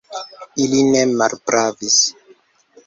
Ili ne malpravis.